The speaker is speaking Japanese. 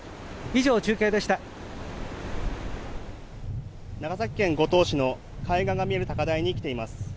以上中継でした長崎県五島市の海岸が見える高台に来ています